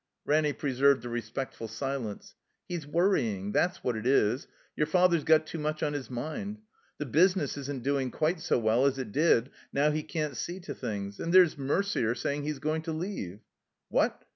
Ranny preserved a respectful silence. '' He's worrying. That's what it is. Your father's got too much on His mind. The business isn't doing quite so well as it did now He can't see to things. And here's Merder saying that he's going to leave." "What?